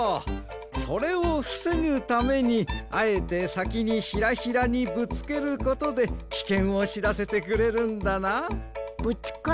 それをふせぐためにあえてさきにヒラヒラにぶつけることできけんをしらせてくれるんだな。